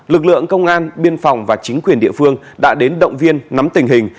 lực lượng công an biên phòng và chính quyền địa phương đã đến động viên nắm tình hình